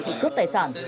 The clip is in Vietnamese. để cướp tài sản